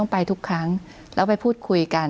คุณปริณาค่ะหลังจากนี้จะเกิดอะไรขึ้นอีกได้บ้าง